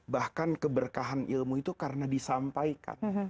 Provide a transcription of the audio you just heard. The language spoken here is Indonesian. bahkan keberkahan ilmu itu karena disampaikan